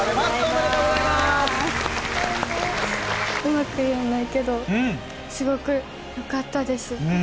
うまく言えないけどすごくよかったです。